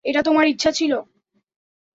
এটা তোমার ইচ্ছা ছিল।